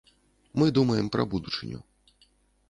Мы думаем пра будучыню.